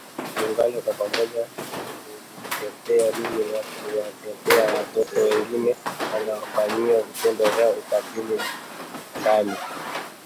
muungane kwa pamoja kunitetea mimi na kuwatetea watoto wengine wanaofanyiwa vitendo vya ukatili ndani